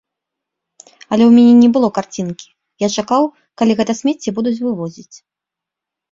Але ў мяне не было карцінкі, я чакаў, калі гэтае смецце будуць вывозіць.